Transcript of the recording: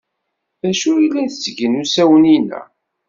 D acu ay la ttgen usawen-inna?